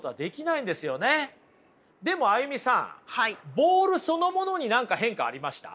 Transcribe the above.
ボールそのものに何か変化ありました？